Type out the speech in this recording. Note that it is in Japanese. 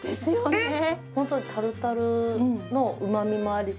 えっホントにタルタルのうまみもあるし